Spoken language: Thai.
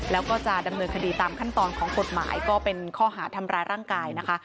แล้วก็จะดำเนินคดีตามขั้นตอนของกฎหมายก็เป็นข้อหาทำร้ายร่างกายนะคะ